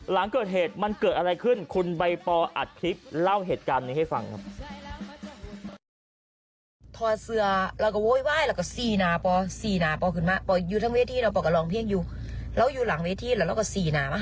หลังเกิดเหตุมันเกิดอะไรขึ้นคุณใบปออัดคลิปเล่าเหตุการณ์นี้ให้ฟังครับ